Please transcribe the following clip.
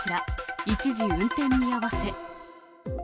一時運転見合わせ。